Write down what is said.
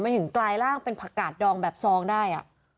มันถึงกลายร่างเป็นผักกาดดองแบบซองได้